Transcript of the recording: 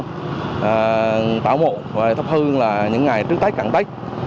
đảm bảo mộ và thấp hương những ngày trước tết càng tết